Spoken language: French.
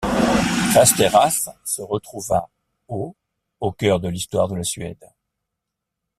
Västerås se retrouva au au cœur de l'histoire de la Suède.